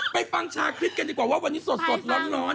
ไปฟังชาคริสกันดีกว่าว่าวันนี้สดร้อน